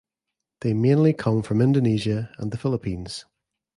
They mainly come from Indonesia and the Philippines.